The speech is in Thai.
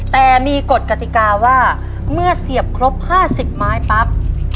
แต่เมื่อเสียบครบ๕๐ไม้ปั๊บ